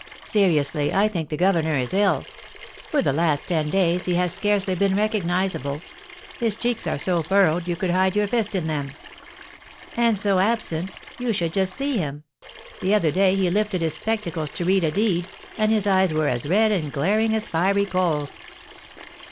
"Seriously, I think the governor is ill. For the last ten days he has scarcely been recognisable; his cheeks are so furrowed you could hide your fist in them." "And so absent; you should just see him. The other day he lifted his spectacles to read a deed, and his eyes were as red and glaring as fiery coals."